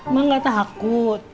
mak gak takut